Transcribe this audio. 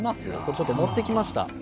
ちょっと持ってきました。